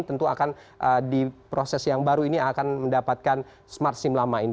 tentu akan di proses yang baru ini akan mendapatkan smart sim lama ini